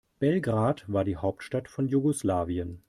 Belgrad war die Hauptstadt von Jugoslawien.